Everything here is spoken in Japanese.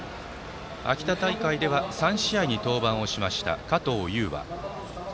秋田大会では３試合に登板した加藤悠羽。